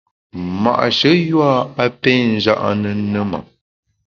Ma’she yua a pé nja’ ne ne ma !